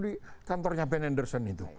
ada di kantornya ben henderson itu